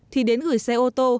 thì đến gửi xe ô tô